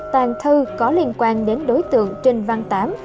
tàn thư có liên quan đến đối tượng trình văn tám